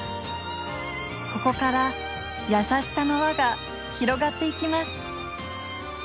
ここから優しさの輪が広がっていきます。